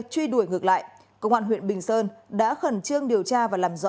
truy đuổi ngược lại công an huyện bình sơn đã khẩn trương điều tra và làm rõ